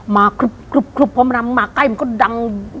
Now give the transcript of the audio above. มากรุบพร้อมมาใกล้มันก็ดัง